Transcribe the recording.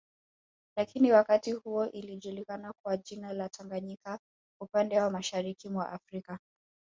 Lakini wakati huo ilijulikana kwa jina la Tanganyika upande wa Mashariki mwa Afrika